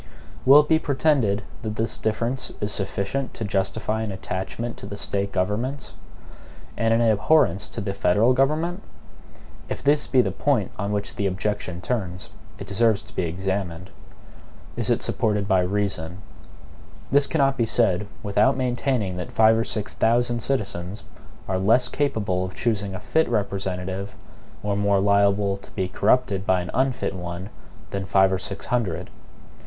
Will it be pretended that this difference is sufficient to justify an attachment to the State governments, and an abhorrence to the federal government? If this be the point on which the objection turns, it deserves to be examined. Is it supported by REASON? This cannot be said, without maintaining that five or six thousand citizens are less capable of choosing a fit representative, or more liable to be corrupted by an unfit one, than five or six hundred.